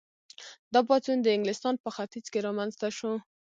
دا پاڅون د انګلستان په ختیځ کې رامنځته شو.